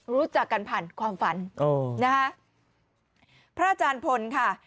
รู้จักกันผ่านความฝันนะคะพระอาจารย์พลค่ะ